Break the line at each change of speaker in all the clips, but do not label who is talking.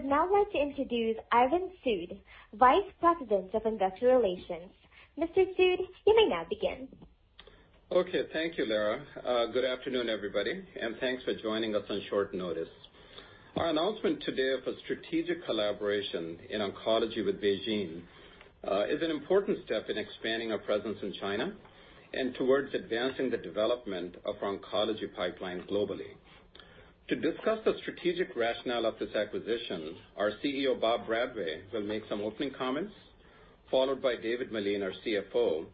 I would now like to introduce Arvind Sood, Vice President of Investor Relations. Mr. Sood, you may now begin.
Thank you, Lara. Good afternoon, everybody, and thanks for joining us on short notice. Our announcement today of a strategic collaboration in oncology with BeiGene, is an important step in expanding our presence in China and towards advancing the development of our oncology pipeline globally. To discuss the strategic rationale of this acquisition, our CEO, Bob Bradway, will make some opening comments, followed by David Meline, our CFO,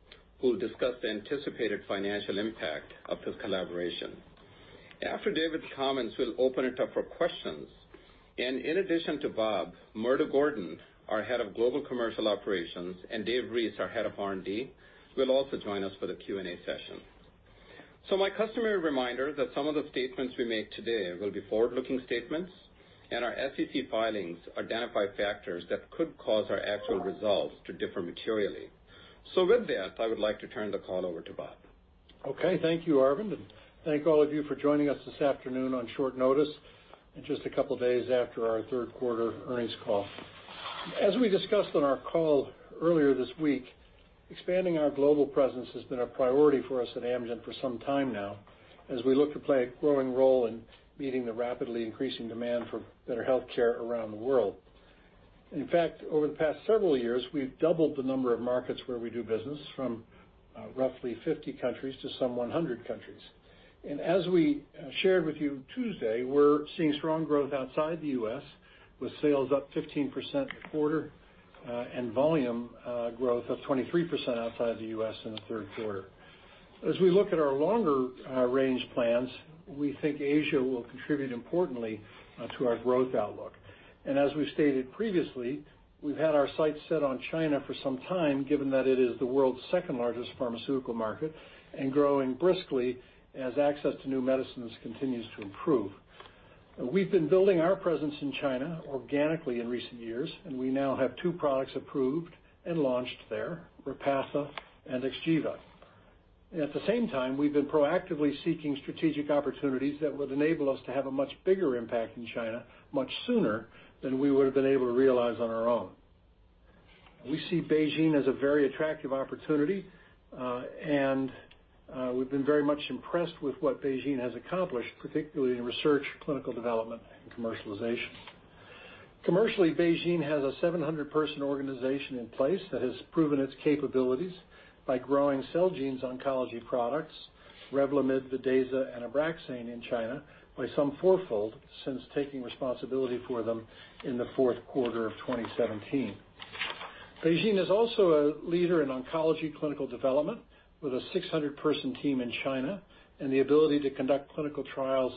who will discuss the anticipated financial impact of this collaboration. After David's comments, we'll open it up for questions, and in addition to Bob, Murdo Gordon, our Head of Global Commercial Operations, and Dave Reese, our Head of R&D, will also join us for the Q&A session. My customary reminder that some of the statements we make today will be forward-looking statements, and our SEC filings identify factors that could cause our actual results to differ materially. With that, I would like to turn the call over to Bob.
Okay. Thank you, Arvind, and thank all of you for joining us this afternoon on short notice, and just a couple of days after our third quarter earnings call. As we discussed on our call earlier this week, expanding our global presence has been a priority for us at Amgen for some time now, as we look to play a growing role in meeting the rapidly increasing demand for better healthcare around the world. In fact, over the past several years, we've doubled the number of markets where we do business from roughly 50 countries to some 100 countries. As we shared with you Tuesday, we're seeing strong growth outside the U.S., with sales up 15% in the quarter, and volume growth of 23% outside the U.S. in the third quarter. As we look at our longer range plans, we think Asia will contribute importantly to our growth outlook. As we've stated previously, we've had our sights set on China for some time, given that it is the world's second-largest pharmaceutical market, and growing briskly as access to new medicines continues to improve. We've been building our presence in China organically in recent years, and we now have two products approved and launched there, Repatha and XGEVA. At the same time, we've been proactively seeking strategic opportunities that would enable us to have a much bigger impact in China much sooner than we would've been able to realize on our own. We see BeiGene as a very attractive opportunity, and we've been very much impressed with what BeiGene has accomplished, particularly in research, clinical development, and commercialization. Commercially, BeiGene has a 700-person organization in place that has proven its capabilities by growing Celgene's oncology products, REVLIMID, VIDAZA, and ABRAXANE in China by some fourfold since taking responsibility for them in the fourth quarter of 2017. BeiGene is also a leader in oncology clinical development with a 600-person team in China and the ability to conduct clinical trials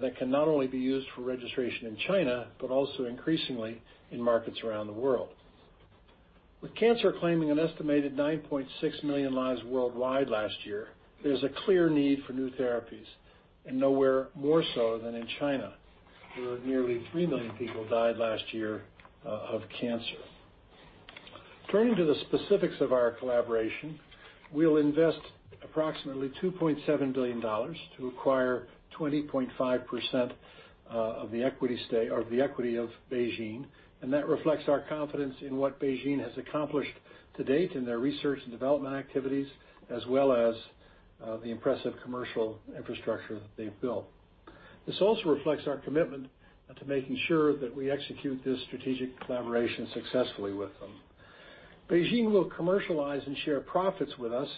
that can not only be used for registration in China, but also increasingly in markets around the world. With cancer claiming an estimated 9.6 million lives worldwide last year, there's a clear need for new therapies, and nowhere more so than in China, where nearly 3 million people died last year of cancer. Turning to the specifics of our collaboration, we'll invest approximately $2.7 billion to acquire 20.5% of the equity of BeiGene, and that reflects our confidence in what BeiGene has accomplished to date in their research and development activities, as well as the impressive commercial infrastructure they've built. This also reflects our commitment to making sure that we execute this strategic collaboration successfully with them. BeiGene will commercialize and share profits with us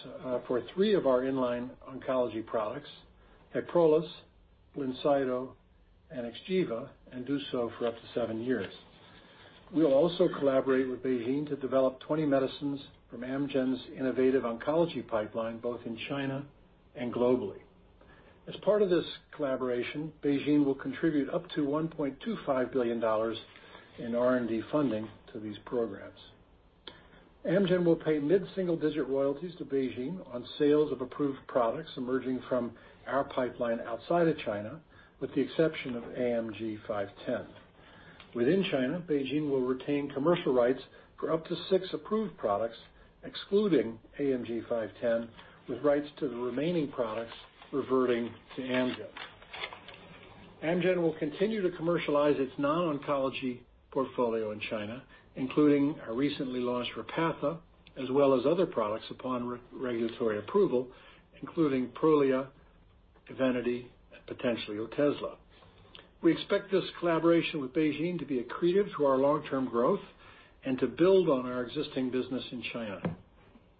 for three of our in-line oncology products, KYPROLIS, BLINCYTO, and XGEVA, and do so for up to seven years. We will also collaborate with BeiGene to develop 20 medicines from Amgen's innovative oncology pipeline, both in China and globally. As part of this collaboration, BeiGene will contribute up to $1.25 billion in R&D funding to these programs. Amgen will pay mid-single-digit royalties to BeiGene on sales of approved products emerging from our pipeline outside of China, with the exception of AMG 510. Within China, BeiGene will retain commercial rights for up to six approved products, excluding AMG 510, with rights to the remaining products reverting to Amgen. Amgen will continue to commercialize its non-oncology portfolio in China, including our recently launched Repatha, as well as other products upon regulatory approval, including Prolia, EVENITY, and potentially Otezla. We expect this collaboration with BeiGene to be accretive to our long-term growth and to build on our existing business in China.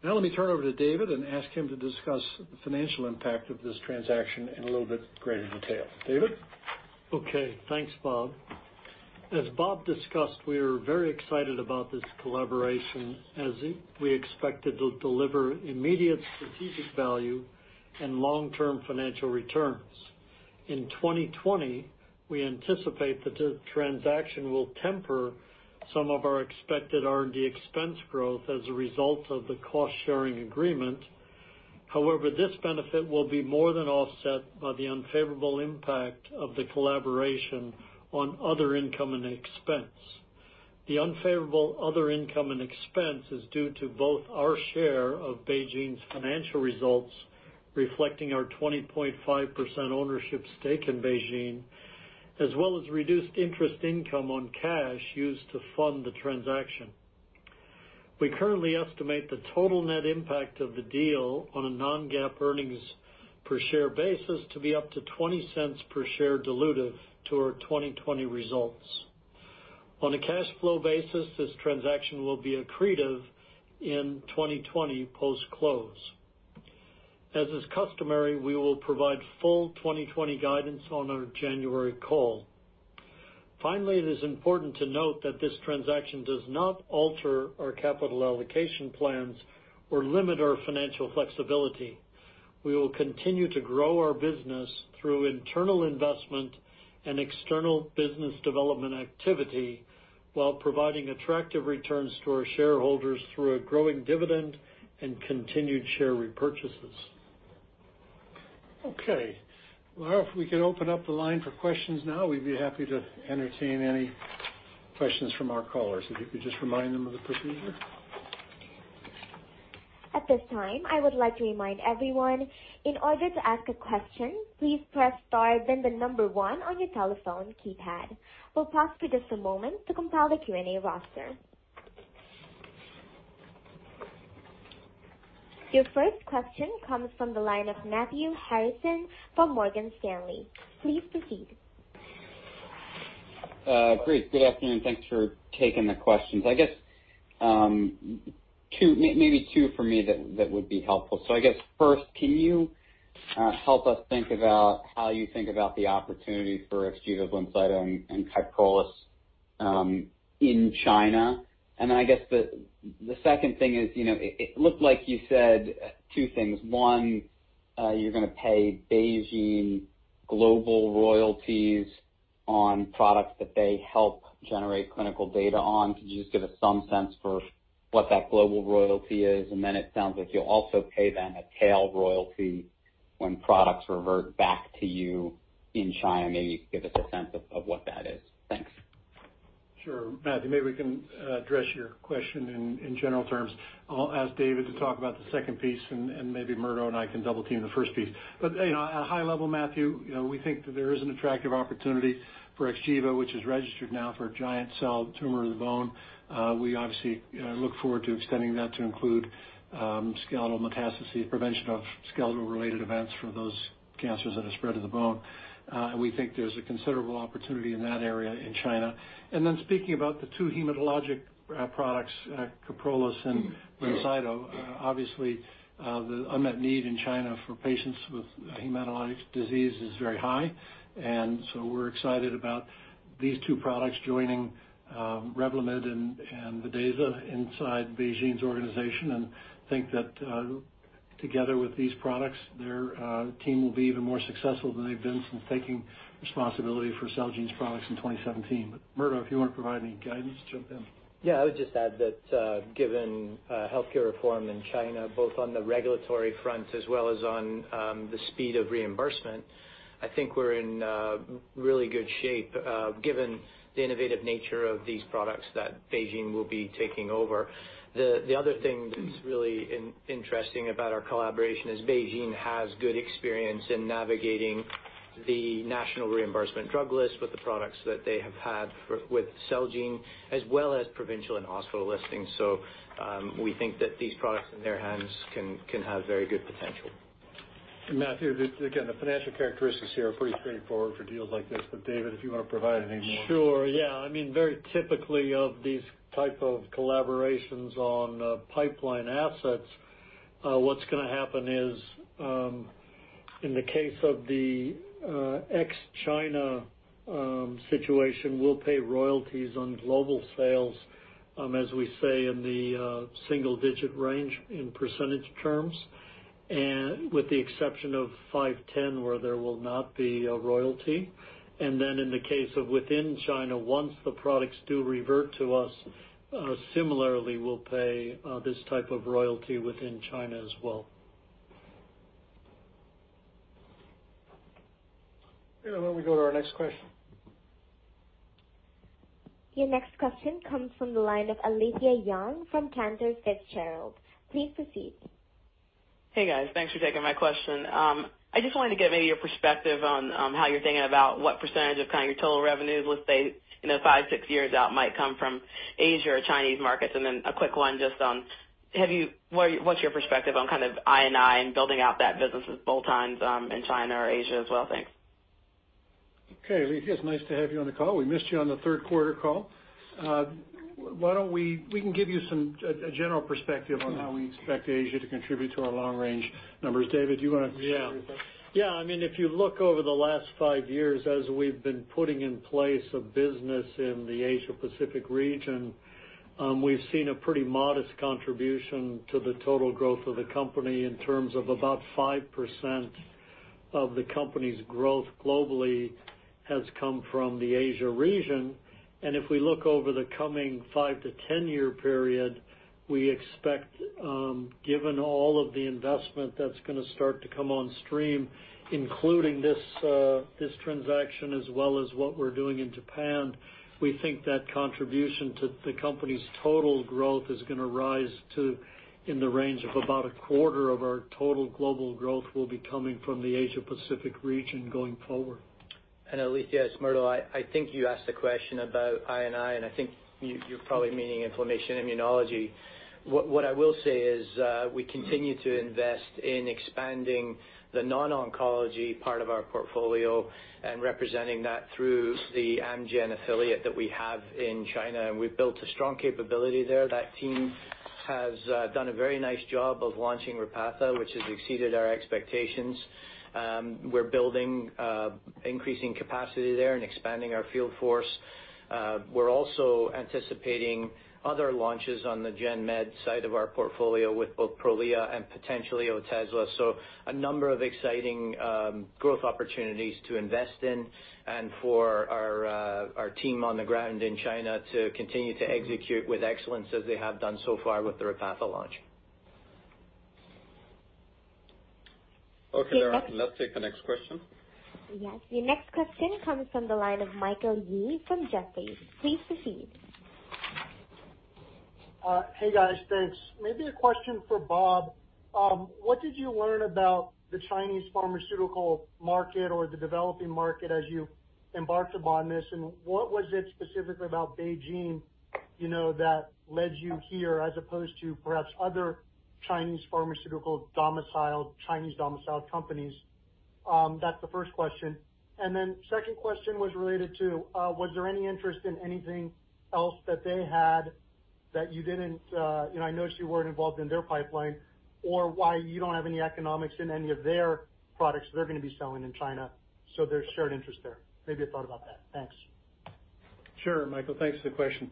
Now let me turn over to David and ask him to discuss the financial impact of this transaction in a little bit greater detail. David?
Okay, thanks, Bob. As Bob discussed, we are very excited about this collaboration as we expect it to deliver immediate strategic value and long-term financial returns. In 2020, we anticipate that the transaction will temper some of our expected R&D expense growth as a result of the cost-sharing agreement. However, this benefit will be more than offset by the unfavorable impact of the collaboration on other income and expense. The unfavorable other income and expense is due to both our share of BeiGene's financial results, reflecting our 20.5% ownership stake in BeiGene, as well as reduced interest income on cash used to fund the transaction. We currently estimate the total net impact of the deal on a non-GAAP earnings per share basis to be up to $0.20 per share dilutive to our 2020 results. On a cash flow basis, this transaction will be accretive in 2020 post-close. As is customary, we will provide full 2020 guidance on our January call. Finally, it is important to note that this transaction does not alter our capital allocation plans or limit our financial flexibility. We will continue to grow our business through internal investment and external business development activity while providing attractive returns to our shareholders through a growing dividend and continued share repurchases. Okay, well, if we could open up the line for questions now, we'd be happy to entertain any questions from our callers. If you could just remind them of the procedure.
At this time, I would like to remind everyone, in order to ask a question, please press star then the number 1 on your telephone keypad. We'll pause for just a moment to compile the Q&A roster. Your first question comes from the line of Matthew Harrison from Morgan Stanley. Please proceed.
Great. Good afternoon, thanks for taking the questions. I guess maybe two for me that would be helpful. I guess first, can you help us think about how you think about the opportunity for XGEVA, BLINCYTO, and KYPROLIS in China? I guess the second thing is, it looked like you said two things. One, you're going to pay BeiGene global royalties on products that they help generate clinical data on. Could you just give us some sense for what that global royalty is? It sounds like you'll also pay them a tail royalty when products revert back to you in China. Maybe you could give us a sense of what that is. Thanks.
Sure. Matthew, maybe we can address your question in general terms. I'll ask David to talk about the second piece, and maybe Murdo and I can double team the first piece. At a high level, Matthew, we think that there is an attractive opportunity for Xgeva, which is registered now for giant cell tumor of the bone. We obviously look forward to extending that to include skeletal metastases, prevention of skeletal-related events for those cancers that have spread to the bone. We think there's a considerable opportunity in that area in China. Then speaking about the two hematologic products, Kyprolis and BLINCYTO, obviously, the unmet need in China for patients with hematologic disease is very high.
We're excited about these two products joining REVLIMID and VIDAZA inside BeiGene's organization and think that together with these products, their team will be even more successful than they've been since taking responsibility for Celgene's products in 2017. Murdo, if you want to provide any guidance, jump in.
Yeah, I would just add that given healthcare reform in China, both on the regulatory front as well as on the speed of reimbursement, I think we're in really good shape given the innovative nature of these products that BeiGene will be taking over. The other thing that's really interesting about our collaboration is BeiGene has good experience in navigating the National Reimbursement Drug List with the products that they have had with Celgene, as well as provincial and hospital listings. We think that these products in their hands can have very good potential.
Matthew, again, the financial characteristics here are pretty straightforward for deals like this. David, if you want to provide any more.
Sure, yeah. Very typically of these type of collaborations on pipeline assets, what's going to happen is, in the case of the ex-China situation, we'll pay royalties on global sales, as we say, in the single-digit range in % terms. With the exception of 510, where there will not be a royalty. In the case of within China, once the products do revert to us, similarly, we'll pay this type of royalty within China as well.
Why don't we go to our next question?
Your next question comes from the line of Alethia Young from Cantor Fitzgerald. Please proceed.
Hey, guys. Thanks for taking my question. I just wanted to get maybe your perspective on how you're thinking about what % of your total revenues, let's say, five, six years out, might come from Asia or Chinese markets. Then a quick one just on, what's your perspective on kind of I&I and building out that business with bolt-ons in China or Asia as well? Thanks.
Okay, Alethia, it's nice to have you on the call. We missed you on the third quarter call. We can give you a general perspective on how we expect Asia to contribute to our long-range numbers. David, do you want to share with us?
Yeah. If you look over the last five years as we've been putting in place a business in the Asia Pacific region, we've seen a pretty modest contribution to the total growth of the company in terms of about 5%. Of the company's growth globally has come from the Asia region. If we look over the coming 5 to 10-year period, we expect, given all of the investment that's going to start to come on stream, including this transaction as well as what we're doing in Japan, we think that contribution to the company's total growth is going to rise to in the range of about a quarter of our total global growth will be coming from the Asia Pacific region going forward.
Alethia, it's Murdo. I think you asked a question about I&I, and I think you're probably meaning inflammation immunology. What I will say is we continue to invest in expanding the non-oncology part of our portfolio and representing that through the Amgen affiliate that we have in China, and we've built a strong capability there. That team has done a very nice job of launching Repatha, which has exceeded our expectations. We're building increasing capacity there and expanding our field force. We're also anticipating other launches on the Gen Med side of our portfolio with both Prolia and potentially Otezla. A number of exciting growth opportunities to invest in and for our team on the ground in China to continue to execute with excellence as they have done so far with the Repatha launch.
Okay, let's take the next question.
Yes. Your next question comes from the line of Michael Yee from Jefferies. Please proceed.
Hey, guys. Thanks. A question for Bob. What did you learn about the Chinese pharmaceutical market or the developing market as you embarked upon this? What was it specifically about BeiGene that led you here as opposed to perhaps other Chinese pharmaceutical domiciled, Chinese domiciled companies? That's the first question. Second question was related to was there any interest in anything else that they had that you didn't, I noticed you weren't involved in their pipeline or why you don't have any economics in any of their products they're going to be selling in China. There's shared interest there. A thought about that. Thanks.
Sure, Michael, thanks for the question.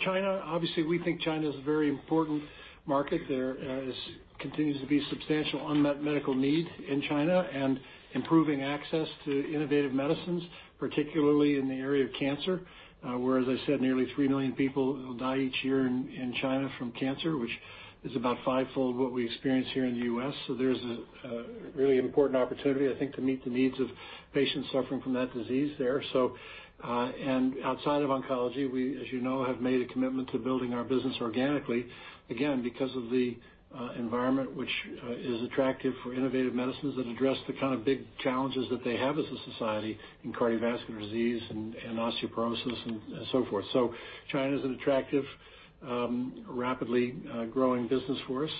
China, obviously, we think China is a very important market. There continues to be substantial unmet medical need in China and improving access to innovative medicines, particularly in the area of cancer, where, as I said, nearly 3 million people will die each year in China from cancer, which is about fivefold what we experience here in the U.S. There's a really important opportunity, I think, to meet the needs of patients suffering from that disease there. Outside of oncology, we, as you know, have made a commitment to building our business organically, again, because of the environment, which is attractive for innovative medicines that address the kind of big challenges that they have as a society in cardiovascular disease and osteoporosis and so forth. China is an attractive, rapidly growing business for us.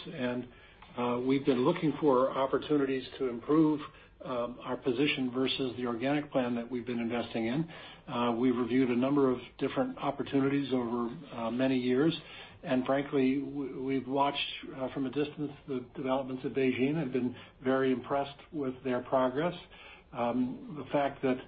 We have been looking for opportunities to improve our position versus the organic plan that we have been investing in. We have reviewed a number of different opportunities over many years, and frankly, we have watched from a distance the developments of BeiGene, have been very impressed with their progress. The fact that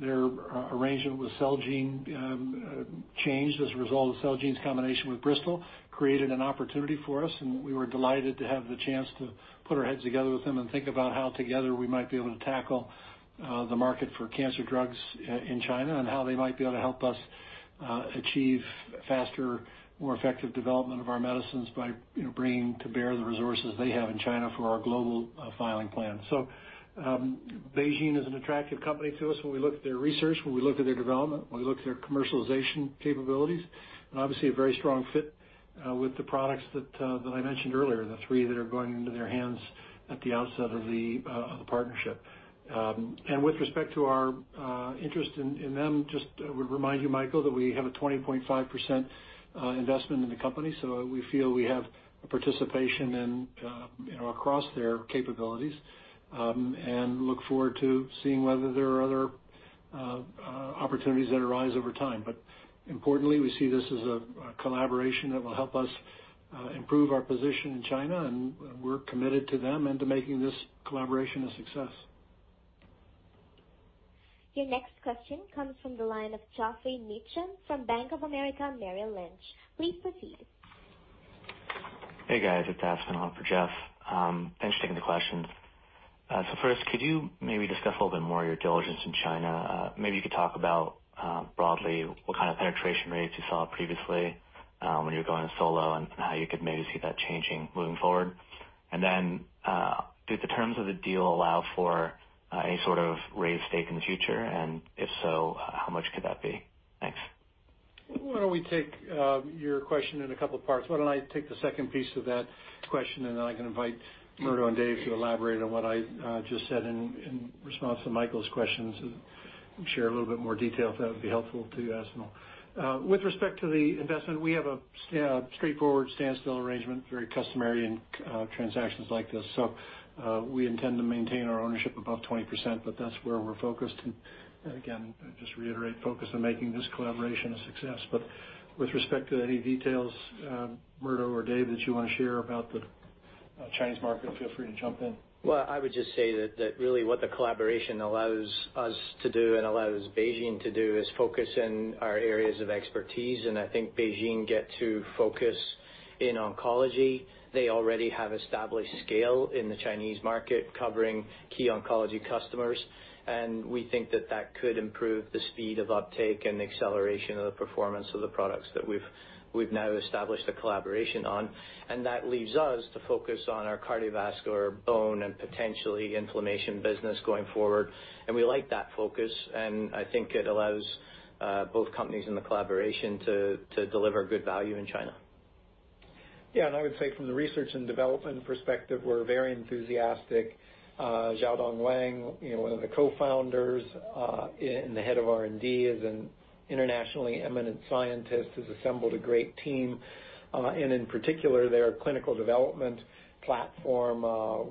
their arrangement with Celgene changed as a result of Celgene's combination with Bristol created an opportunity for us, and we were delighted to have the chance to put our heads together with them and think about how together we might be able to tackle the market for cancer drugs in China and how they might be able to help us achieve faster, more effective development of our medicines by bringing to bear the resources they have in China for our global filing plan. BeiGene is an attractive company to us when we look at their research, when we look at their development, when we look at their commercialization capabilities, and obviously a very strong fit with the products that I mentioned earlier, the three that are going into their hands at the outset of the partnership. With respect to our interest in them, just would remind you, Michael, that we have a 20.5% investment in the company. We feel we have participation across their capabilities, and look forward to seeing whether there are other opportunities that arise over time. Importantly, we see this as a collaboration that will help us improve our position in China, and we're committed to them and to making this collaboration a success.
Your next question comes from the line of Geoff Meacham from Bank of America, Merrill Lynch. Please proceed.
Hey, guys. It's Geoff. Thanks for taking the questions. First, could you maybe discuss a little bit more your diligence in China? Maybe you could talk about broadly what kind of penetration rates you saw previously when you were going solo, and how you could maybe see that changing moving forward. Then do the terms of the deal allow for any sort of raised stake in the future, and if so, how much could that be? Thanks.
Why don't we take your question in a couple of parts? Why don't I take the second piece of that question, and then I can invite Murdo and Dave to elaborate on what I just said in response to Michael's questions and share a little bit more detail, if that would be helpful to you, [Asim]. With respect to the investment, we have a straightforward standstill arrangement, very customary in transactions like this. We intend to maintain our ownership above 20%, but that's where we're focused. Again, just reiterate, focused on making this collaboration a success. With respect to any details, Murdo or Dave, that you want to share about the Chinese market, feel free to jump in.
Well, I would just say that really what the collaboration allows us to do and allows BeiGene to do is focus in our areas of expertise. I think BeiGene get to focus in oncology. They already have established scale in the Chinese market, covering key oncology customers, we think that that could improve the speed of uptake and acceleration of the performance of the products that we've now established a collaboration on. That leaves us to focus on our cardiovascular, bone, and potentially inflammation business going forward. We like that focus, and I think it allows both companies in the collaboration to deliver good value in China.
Yeah. I would say from the research and development perspective, we're very enthusiastic. Xiaodong Wang, one of the co-founders and the head of R&D, is an internationally eminent scientist, has assembled a great team. In particular, their clinical development platform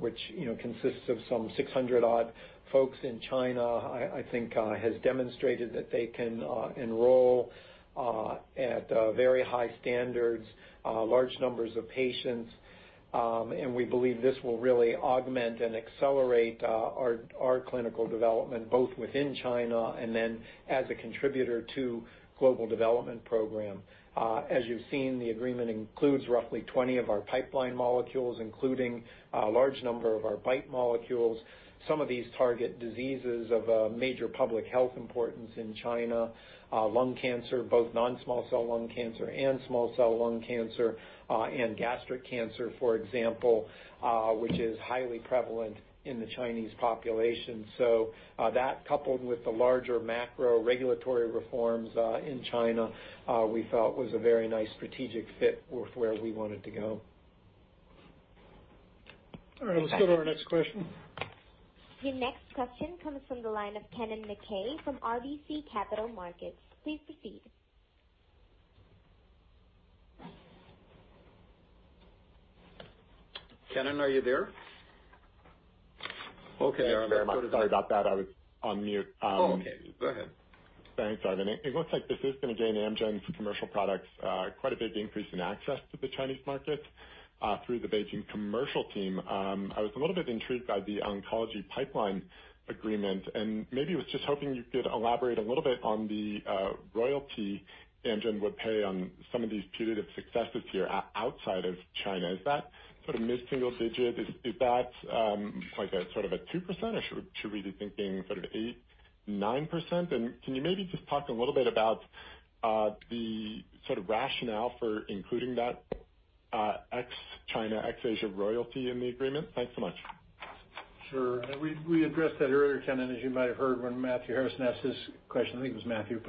which consists of some 600 odd folks in China, I think has demonstrated that they can enroll at very high standards large numbers of patients. We believe this will really augment and accelerate our clinical development both within China as a contributor to global development program. As you've seen, the agreement includes roughly 20 of our pipeline molecules, including a large number of our BiTE molecules. Some of these target diseases of a major public health importance in China lung cancer, both non-small cell lung cancer and small cell lung cancer and gastric cancer, for example which is highly prevalent in the Chinese population. That coupled with the larger macro regulatory reforms in China we felt was a very nice strategic fit with where we wanted to go.
All right. Let's go to our next question.
The next question comes from the line of Kennen MacKay from RBC Capital Markets. Please proceed.
Kennen, are you there? Okay.
Sorry about that. I was on mute.
Okay, go ahead.
Thanks. It looks like this is going to gain Amgen's commercial products quite a big increase in access to the Chinese market through the BeiGene commercial team. Maybe was just hoping you could elaborate a little bit on the royalty Amgen would pay on some of these putative successes here outside of China. Is that sort of mid-single digit? Is that sort of a 2% or should we be thinking sort of eight, 9%? Can you maybe just talk a little bit about the sort of rationale for including that ex-China, ex-Asia royalty in the agreement? Thanks so much.
Sure. We addressed that earlier, Kennen, as you might have heard when Matthew Harrison asked this question. I think it was Matthew.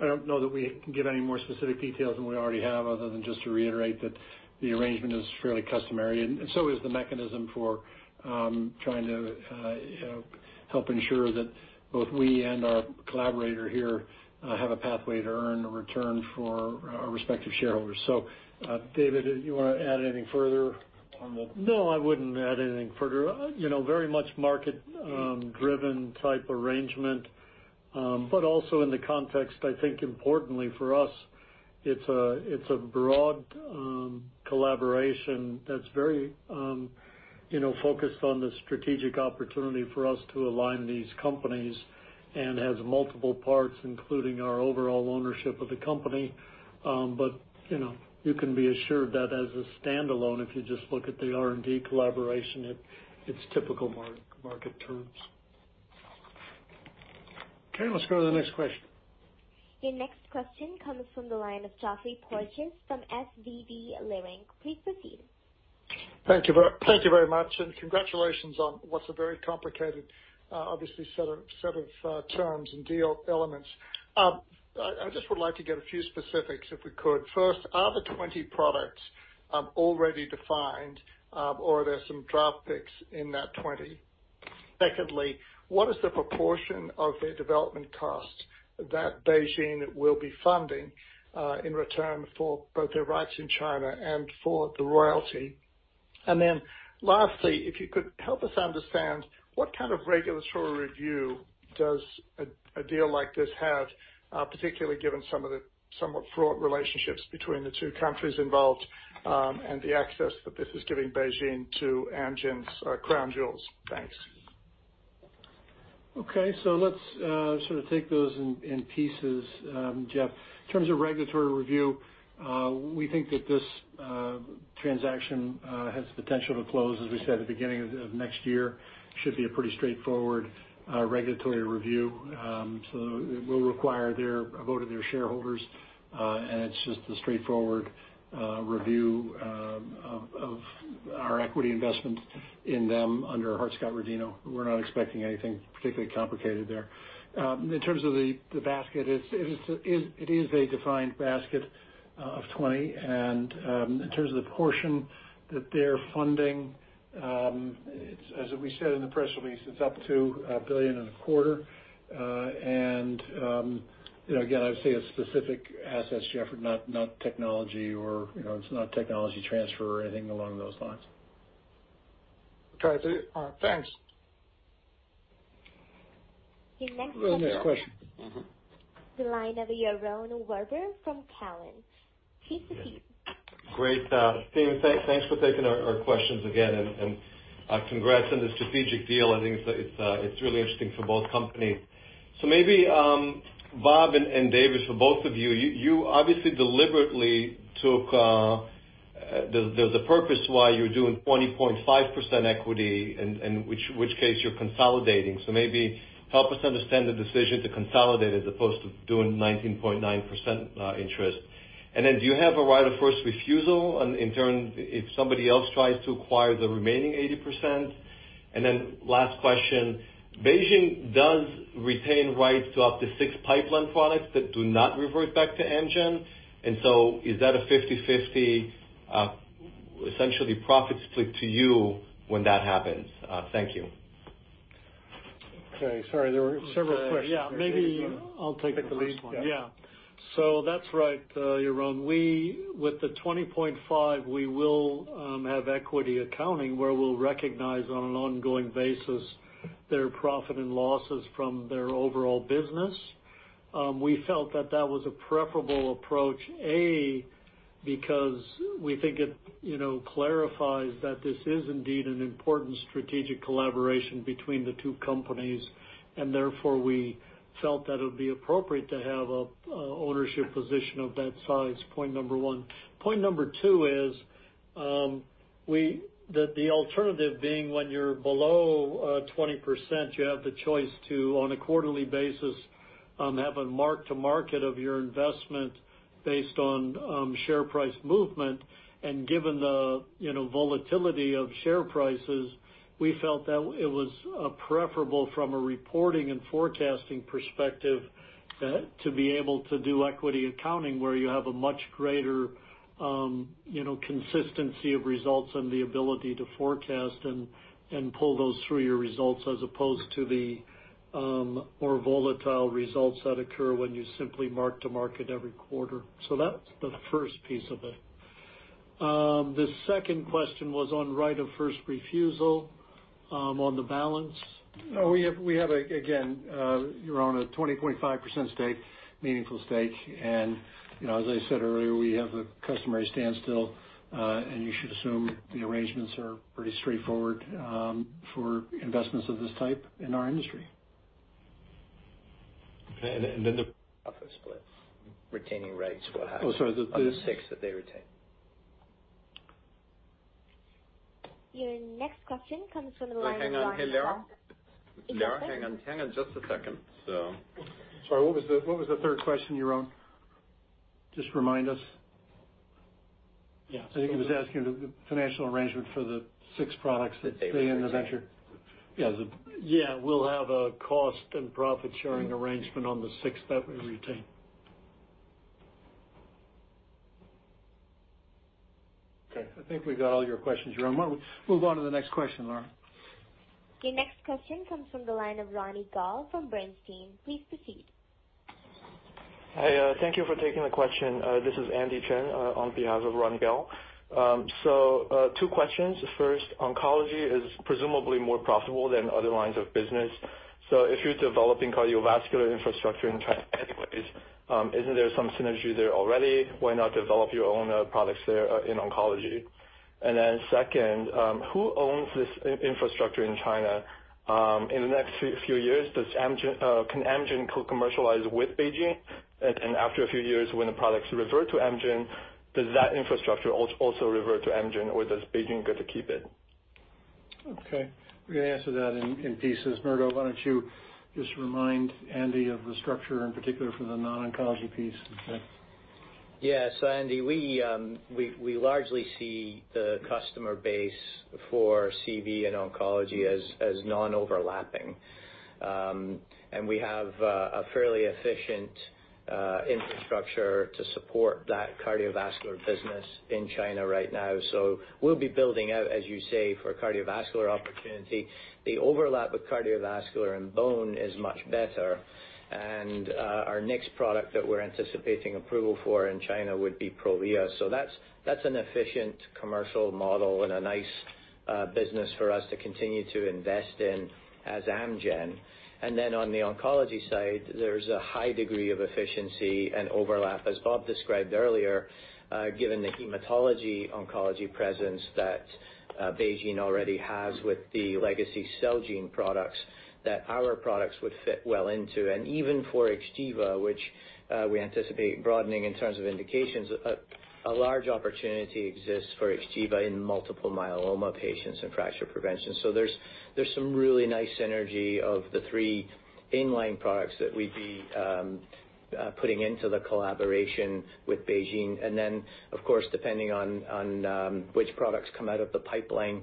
I don't know that we can give any more specific details than we already have, other than just to reiterate that the arrangement is fairly customary and so is the mechanism for trying to help ensure that both we and our collaborator here have a pathway to earn a return for our respective shareholders. David, you want to add anything further on that?
No, I wouldn't add anything further. Very much market-driven type arrangement. Also in the context, I think importantly for us, it's a broad collaboration that's very focused on the strategic opportunity for us to align these companies and has multiple parts, including our overall ownership of the company. You can be assured that as a standalone, if you just look at the R&D collaboration, it's typical market terms.
Okay, let's go to the next question.
Your next question comes from the line of Geoffrey Porges from SVB Leerink. Please proceed.
Thank you very much, congratulations on what's a very complicated, obviously, set of terms and deal elements. I just would like to get a few specifics, if we could. First, are the 20 products already defined or are there some draft picks in that 20? Secondly, what is the proportion of the development cost that BeiGene will be funding in return for both their rights in China and for the royalty? Lastly, if you could help us understand what kind of regulatory review does a deal like this have, particularly given some of the somewhat fraught relationships between the two countries involved and the access that this is giving BeiGene to Amgen's crown jewels. Thanks.
Okay. Let's sort of take those in pieces, Geoff. In terms of regulatory review, we think that this transaction has potential to close, as we said, the beginning of next year. Should be a pretty straightforward regulatory review. It will require a vote of their shareholders, and it's just a straightforward review of our equity investment in them under Hart-Scott-Rodino. We're not expecting anything particularly complicated there. In terms of the basket, it is a defined basket of 20, and in terms of the portion that they're funding, as we said in the press release, it's up to $1 billion and a quarter. Again, I would say it's specific assets, Geoff, not technology or it's not technology transfer or anything along those lines.
Okay. Thanks.
Your next question.
Next question.
The line of Yaron Werber from Cowen. Please proceed.
Great. Team, thanks for taking our questions again, and congrats on the strategic deal. I think it's really interesting for both companies. Maybe Bob and David, for both of you, there's a purpose why you're doing 20.5% equity, in which case you're consolidating. Maybe help us understand the decision to consolidate as opposed to doing 19.9% interest. Then do you have a right of first refusal in turn if somebody else tries to acquire the remaining 80%? Then last question, BeiGene does retain rights to up to six pipeline products that do not revert back to Amgen. Is that a 50/50, essentially profits split to you when that happens? Thank you.
Okay. Sorry, there were several questions.
Yeah. Maybe I'll take the first one.
Take the lead. Yeah.
That's right, Yaron. With the 20.5, we will have equity accounting where we'll recognize on an ongoing basis their profit and losses from their overall business. We felt that that was a preferable approach, A, because we think it clarifies that this is indeed an important strategic collaboration between the two companies, and therefore, we felt that it would be appropriate to have an ownership position of that size. Point number 1. Point number 2 is, the alternative being when you're below 20%, you have the choice to, on a quarterly basis, have a mark to market of your investment based on share price movement. Given the volatility of share prices, we felt that it was preferable from a reporting and forecasting perspective to be able to do equity accounting where you have a much greater consistency of results and the ability to forecast and pull those through your results as opposed to the more volatile results that occur when you simply mark to market every quarter. That's the first piece of it. The second question was on right of first refusal on the balance.
We have, again, Yaron, a 20.5% stake, meaningful stake. As I said earlier, we have a customary standstill, and you should assume the arrangements are pretty straightforward for investments of this type in our industry.
And then the-
Profit splits, retaining rights, what happens.
Oh, sorry. on the six that they retain.
Your next question comes from the line of Ronny Gal.
Hang on. Hey, Lara.
Yes, sir.
Lara, hang on just a second.
Sorry, what was the third question, Yaron? Just remind us.
Yeah.
I think he was asking the financial arrangement for the six products that stay in the venture.
Yeah.
Yeah. We'll have a cost and profit-sharing arrangement on the six that we retain. Okay. I think we got all your questions, Yaron. Why don't we move on to the next question, Lara.
Your next question comes from the line of Ronny Gal from Bernstein. Please proceed.
Hi. Thank you for taking the question. This is Andy Chen on behalf of Ronny Gal. Two questions. First, oncology is presumably more profitable than other lines of business. If you're developing cardiovascular infrastructure in China anyways, isn't there some synergy there already? Why not develop your own products there in oncology? Second, who owns this infrastructure in China? In the next few years, can Amgen co-commercialize with BeiGene? After a few years when the products revert to Amgen, does that infrastructure also revert to Amgen, or does BeiGene get to keep it?
Okay. We're going to answer that in pieces. Murdo, why don't you just remind Andy of the structure, in particular for the non-oncology piece?
Okay. Yeah. Andy, we largely see the customer base for CV and oncology as non-overlapping. We have a fairly efficient infrastructure to support that cardiovascular business in China right now. We'll be building out, as you say, for cardiovascular opportunity. The overlap with cardiovascular and bone is much better. Our next product that we're anticipating approval for in China would be Prolia. That's an efficient commercial model and a nice business for us to continue to invest in as Amgen. On the oncology side, there's a high degree of efficiency and overlap, as Bob described earlier, given the hematology-oncology presence that BeiGene already has with the legacy Celgene products that our products would fit well into. Even for XGEVA, which we anticipate broadening in terms of indications, a large opportunity exists for XGEVA in multiple myeloma patients and fracture prevention. There's some really nice synergy of the three in-line products that we'd be putting into the collaboration with BeiGene. Of course, depending on which products come out of the pipeline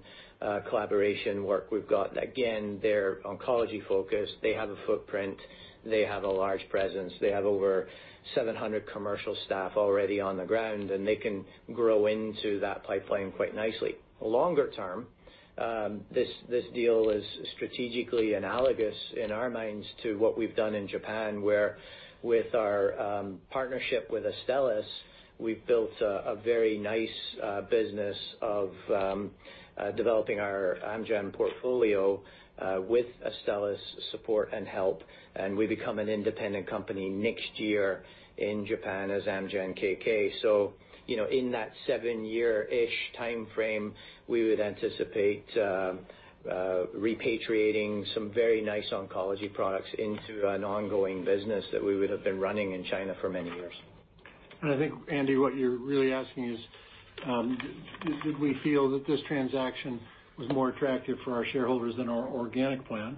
collaboration work we've got, again, they're oncology-focused. They have a footprint. They have a large presence. They have over 700 commercial staff already on the ground, and they can grow into that pipeline quite nicely. Longer term, this deal is strategically analogous in our minds to what we've done in Japan, where with our partnership with Astellas, we've built a very nice business of developing our Amgen portfolio with Astellas' support and help, and we become an independent company next year in Japan as Amgen K.K. In that seven year-ish timeframe, we would anticipate repatriating some very nice oncology products into an ongoing business that we would've been running in China for many years.
I think, Andy, what you're really asking is, did we feel that this transaction was more attractive for our shareholders than our organic plan?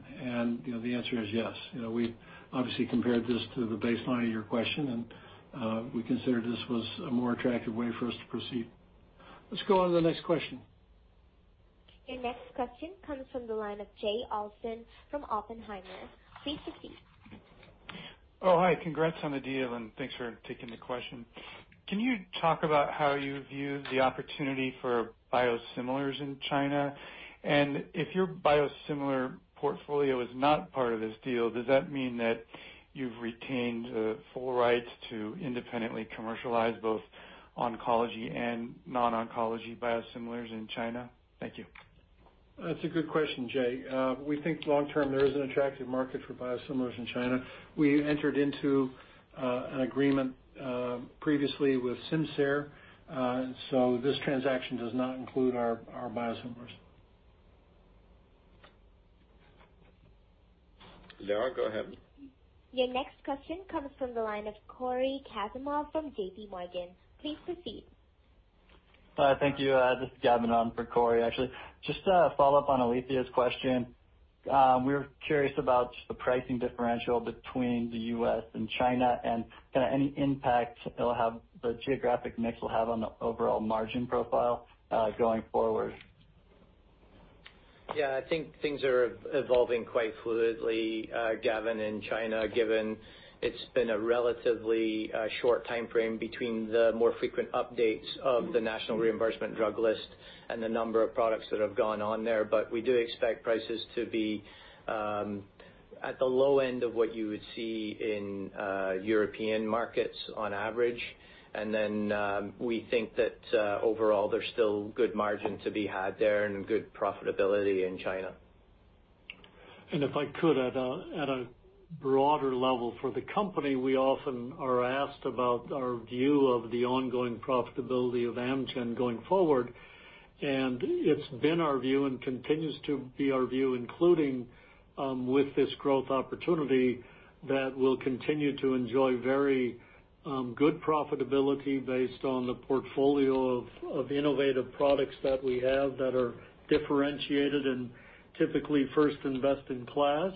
The answer is yes. We obviously compared this to the baseline of your question, and we considered this was a more attractive way for us to proceed. Let's go on to the next question.
Your next question comes from the line of Jay Olson from Oppenheimer. Please proceed.
Oh, hi. Congrats on the deal, thanks for taking the question. Can you talk about how you view the opportunity for biosimilars in China? If your biosimilar portfolio is not part of this deal, does that mean that you've retained the full rights to independently commercialize both oncology and non-oncology biosimilars in China? Thank you.
That's a good question, Jay. We think long term, there is an attractive market for biosimilars in China. We entered into an agreement previously with Simcere. This transaction does not include our biosimilars. Lara, go ahead.
Your next question comes from the line of Cory Kasimov from JP Morgan. Please proceed.
Thank you. This is Gavin on for Cory, actually. Just to follow up on Alethia's question, we were curious about the pricing differential between the U.S. and China, and any impact the geographic mix will have on the overall margin profile going forward.
I think things are evolving quite fluidly, Gavin, in China, given it's been a relatively short timeframe between the more frequent updates of the National Reimbursement Drug List and the number of products that have gone on there. We do expect prices to be at the low end of what you would see in European markets on average. We think that overall, there's still good margin to be had there and good profitability in China.
If I could, at a broader level for the company, we often are asked about our view of the ongoing profitability of Amgen going forward. It's been our view and continues to be our view, including with this growth opportunity, that we'll continue to enjoy very good profitability based on the portfolio of innovative products that we have that are differentiated and typically first-in-class,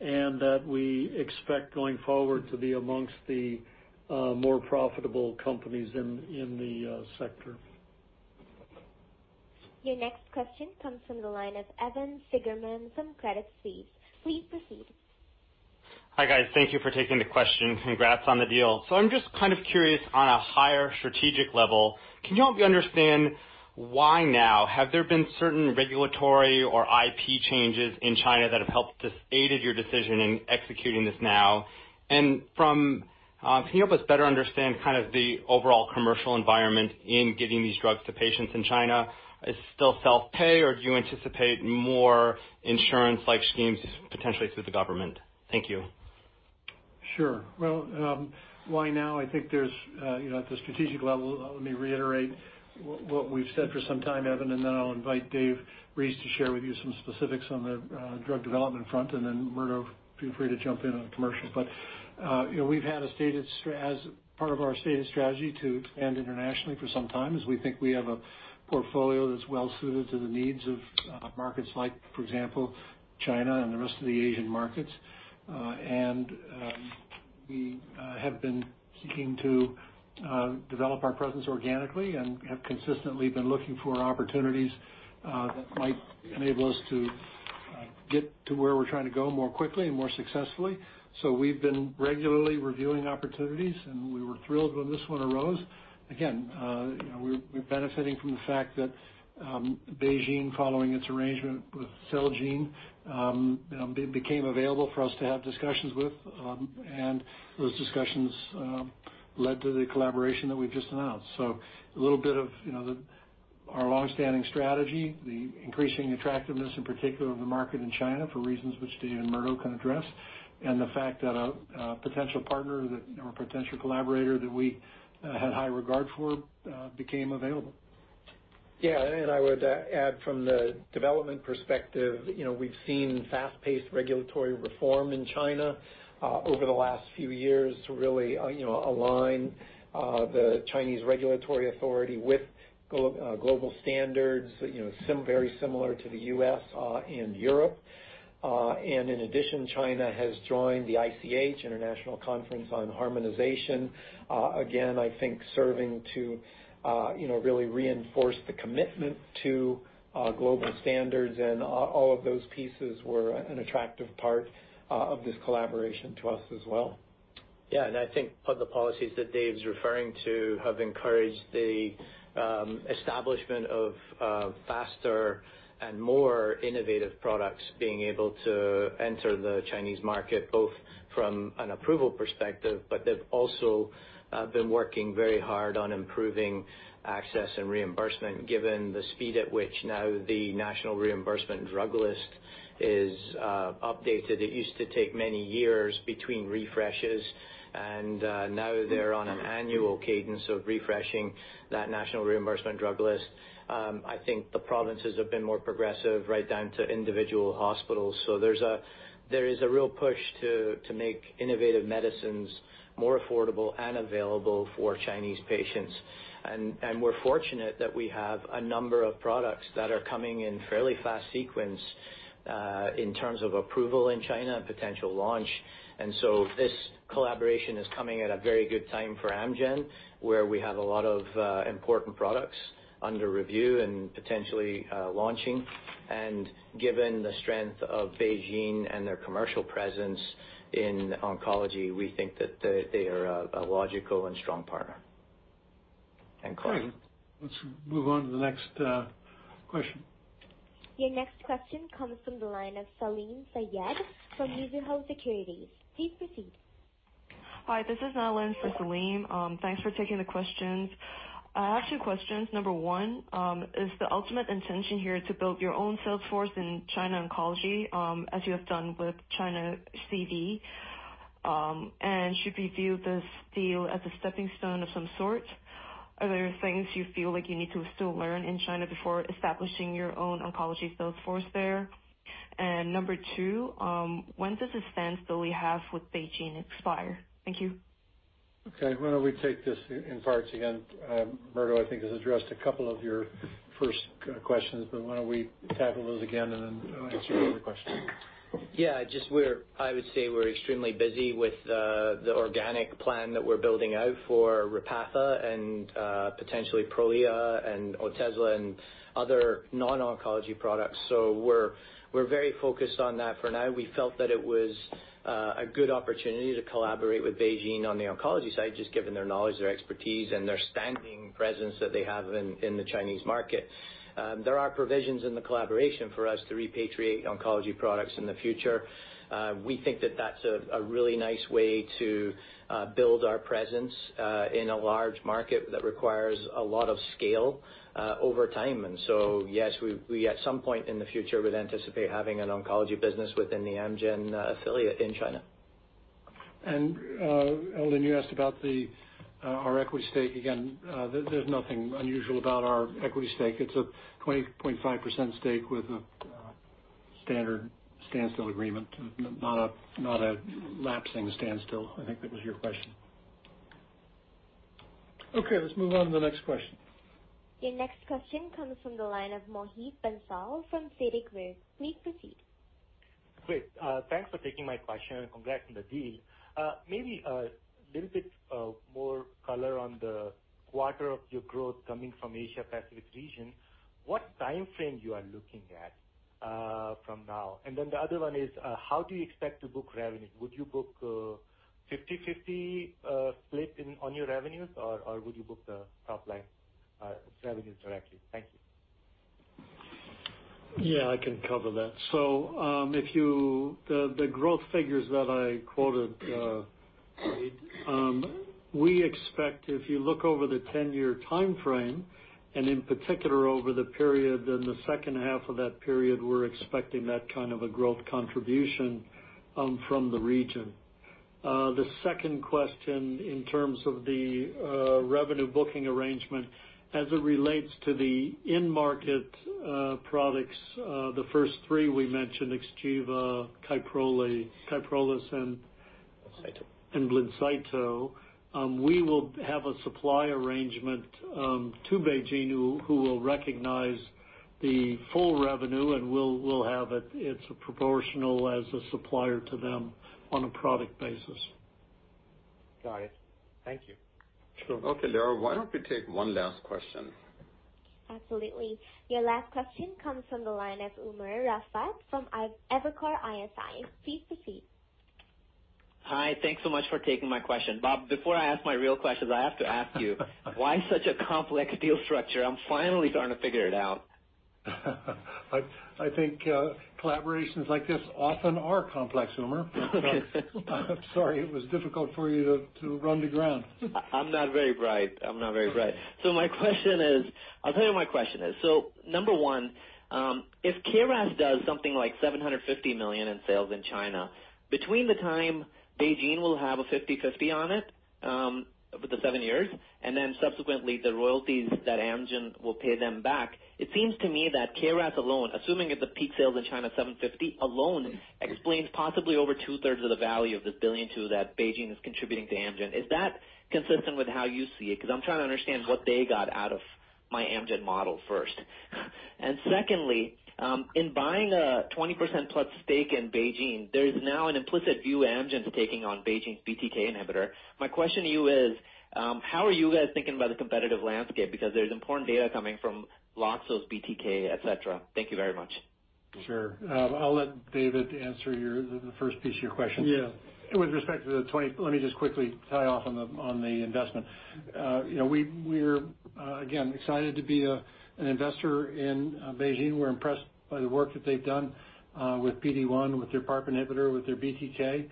and that we expect going forward to be amongst the more profitable companies in the sector.
Your next question comes from the line of Evan Seigerman from Credit Suisse. Please proceed.
Hi, guys. Thank you for taking the question. Congrats on the deal. I'm just kind of curious on a higher strategic level, can you help me understand why now? Have there been certain regulatory or IP changes in China that have helped aided your decision in executing this now? Can you help us better understand the overall commercial environment in getting these drugs to patients in China? Is it still self-pay, or do you anticipate more insurance-like schemes potentially through the government? Thank you.
Sure. Well, why now? I think at the strategic level, let me reiterate what we've said for some time, Evan, and then I'll invite David Reese to share with you some specifics on the drug development front, and then Murdo, feel free to jump in on commercials. As part of our stated strategy to expand internationally for some time, is we think we have a portfolio that's well-suited to the needs of markets like, for example, China and the rest of the Asian markets. We have been seeking to develop our presence organically and have consistently been looking for opportunities that might enable us to get to where we're trying to go more quickly and more successfully. We've been regularly reviewing opportunities, and we were thrilled when this one arose. Again, we're benefiting from the fact that BeiGene, following its arrangement with Celgene, became available for us to have discussions with. Those discussions led to the collaboration that we've just announced. A little bit of our long-standing strategy, the increasing attractiveness, in particular of the market in China, for reasons which Dave and Murdo can address, and the fact that a potential partner or potential collaborator that we had high regard for became available.
Yeah. I would add from the development perspective, we've seen fast-paced regulatory reform in China over the last few years to really align the Chinese regulatory authority with global standards very similar to the U.S. and Europe. In addition, China has joined the ICH, International Council for Harmonisation, again, I think serving to really reinforce the commitment to global standards, and all of those pieces were an attractive part of this collaboration to us as well.
I think part of the policies that Dave's referring to that have encouraged the establishment of faster and more innovative products being able to enter the Chinese market, both from an approval perspective, but they've also been working very hard on improving access and reimbursement, given the speed at which now the National Reimbursement Drug List is updated. It used to take many years between refreshes. Now they're on an annual cadence of refreshing that National Reimbursement Drug List. I think the provinces have been more progressive, right down to individual hospitals. There is a real push to make innovative medicines more affordable and available for Chinese patients. We're fortunate that we have a number of products that are coming in fairly fast sequence, in terms of approval in China and potential launch. This collaboration is coming at a very good time for Amgen, where we have a lot of important products under review and potentially launching. Given the strength of BeiGene and their commercial presence in oncology, we think that they are a logical and strong partner. Cory.
Great. Let's move on to the next question.
Your next question comes from the line of Salim Syed from Mizuho Securities. Please proceed.
Hi, this is not Ellen for Salim. Thanks for taking the questions. I have two questions. Number one, is the ultimate intention here to build your own sales force in China oncology, as you have done with China CV? Should we view this deal as a stepping stone of some sort? Are there things you feel like you need to still learn in China before establishing your own oncology sales force there? Number two, when does the standstill we have with BeiGene expire? Thank you.
Okay. Why don't we take this in parts again? Murdo, I think, has addressed a couple of your first questions. Why don't we tackle those again and then I'll answer your other question.
Yeah. I would say we're extremely busy with the organic plan that we're building out for Repatha and potentially Prolia and Otezla and other non-oncology products. We're very focused on that for now. We felt that it was a good opportunity to collaborate with BeiGene on the oncology side, just given their knowledge, their expertise, and their standing presence that they have in the Chinese market. There are provisions in the collaboration for us to repatriate oncology products in the future. We think that that's a really nice way to build our presence in a large market that requires a lot of scale over time. Yes, we at some point in the future would anticipate having an oncology business within the Amgen affiliate in China.
Ellen, you asked about our equity stake. Again, there's nothing unusual about our equity stake. It's a 20.5% stake with a standard standstill agreement. Not a lapsing standstill. I think that was your question. Okay, let's move on to the next question.
Your next question comes from the line of Mohit Bansal from Citigroup. Please proceed.
Great. Thanks for taking my question, and congrats on the deal. Maybe a little bit more color on the quarter of your growth coming from Asia Pacific region. What timeframe you are looking at from now? The other one is, how do you expect to book revenue? Would you book 50-50 split on your revenues, or would you book the top line revenues directly? Thank you.
Yeah, I can cover that. The growth figures that I quoted, Mohit, we expect if you look over the 10-year timeframe and in particular over the period in the second half of that period, we're expecting that kind of a growth contribution from the region. The second question in terms of the revenue booking arrangement as it relates to the end-market products, the first three we mentioned, XGEVA, KYPROLIS, and.
Blincyto
BLINCYTO. We will have a supply arrangement to BeiGene who will recognize the full revenue, and we'll have it. It's proportional as a supplier to them on a product basis.
Got it. Thank you.
Sure.
Okay, Lara, why don't we take one last question?
Absolutely. Your last question comes from the line of Umer Raffat from Evercore ISI. Please proceed.
Hi. Thanks so much for taking my question. Bob, before I ask my real questions, I have to ask you, why such a complex deal structure? I'm finally starting to figure it out.
I think collaborations like this often are complex, Umer. I'm sorry it was difficult for you to run to ground.
I'm not very bright. My question is I'll tell you what my question is. Number one, if KRAS does something like $750 million in sales in China, between the time BeiGene will have a 50/50 on it, over the 7 years, and then subsequently the royalties that Amgen will pay them back, it seems to me that KRAS alone, assuming it's a peak sales in China, $750 million, alone explains possibly over two-thirds of the value of this $1.2 billion that BeiGene is contributing to Amgen. Is that consistent with how you see it? I'm trying to understand what they got out of my Amgen model first. Secondly, in buying a 20%+ stake in BeiGene, there is now an implicit view Amgen's taking on BeiGene's BTK inhibitor. My question to you is, how are you guys thinking about the competitive landscape? There's important data coming from Loxo's BTK, et cetera. Thank you very much.
Sure. I'll let David answer the first piece of your question.
Yeah.
Let me just quickly tie off on the investment. We're, again, excited to be an investor in BeiGene. We're impressed by the work that they've done with PD-1, with their PARP inhibitor, with their BTK.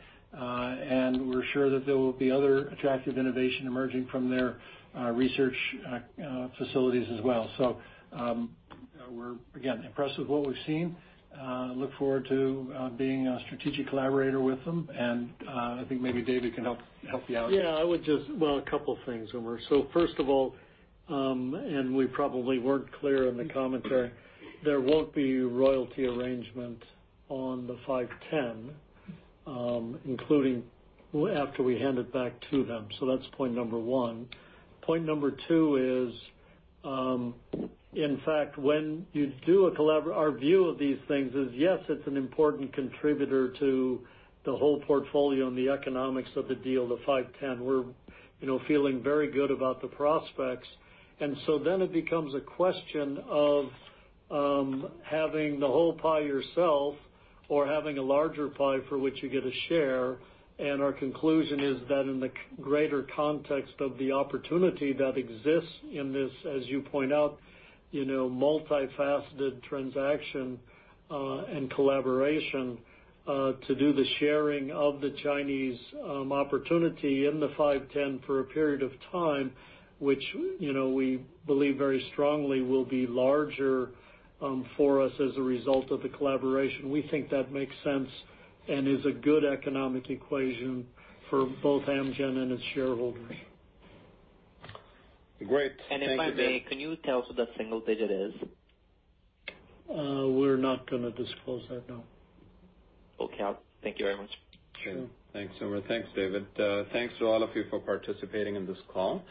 We're sure that there will be other attractive innovation emerging from their research facilities as well. We're, again, impressed with what we've seen, look forward to being a strategic collaborator with them, and I think maybe David can help you out.
Yeah. Well, a couple things, Umer. First of all, and we probably weren't clear in the commentary, there won't be royalty arrangement on the 510, including after we hand it back to them. That's point number 1. Point number 2 is, in fact, our view of these things is, yes, it's an important contributor to the whole portfolio and the economics of the deal, the 510. We're feeling very good about the prospects. It becomes a question of having the whole pie yourself or having a larger pie for which you get a share. Our conclusion is that in the greater context of the opportunity that exists in this, as you point out, multifaceted transaction and collaboration to do the sharing of the Chinese opportunity in the 510 for a period of time, which we believe very strongly will be larger for us as a result of the collaboration. We think that makes sense and is a good economic equation for both Amgen and its shareholders.
Great. Thank you, David.
If I may, can you tell us what that single digit is?
We're not going to disclose that, no.
Okay. Thank you very much.
Sure. Thanks, Umer. Thanks, David. Thanks to all of you for participating in this call.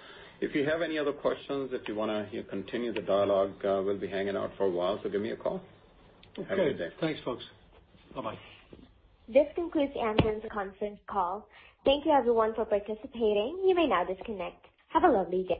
If you have any other questions, if you want to continue the dialogue, we'll be hanging out for a while, so give me a call.
Okay.
Have a good day.
Thanks, folks. Bye-bye.
This concludes Amgen's conference call. Thank you everyone for participating. You may now disconnect. Have a lovely day.